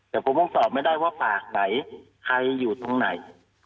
แต่ผมยังสอบไม่ได้ว่าปากไหนใครอยู่ตรงไหน